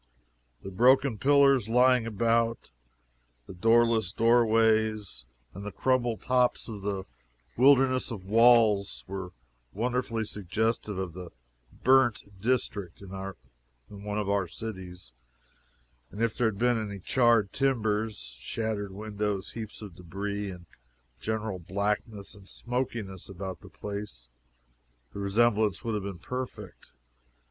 The broken pillars lying about, the doorless doorways and the crumbled tops of the wilderness of walls, were wonderfully suggestive of the "burnt district" in one of our cities, and if there had been any charred timbers, shattered windows, heaps of debris, and general blackness and smokiness about the place, the resemblance would have been perfect.